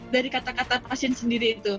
dari kata kata pasien sendiri itu